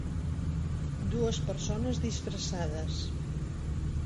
Dues persones disfressades.